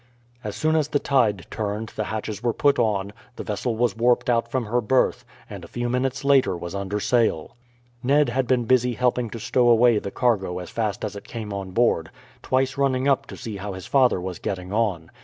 As soon as the tide turned the hatches were put on, the vessel was warped out from her berth, and a few minutes later was under sail. Ned had been busy helping to stow away the cargo as fast as it came on board, twice running up to see how his father was getting on.